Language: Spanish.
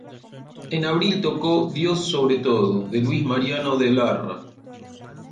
En abril tocó "Dios sobre todo", de Luis Mariano de Larra.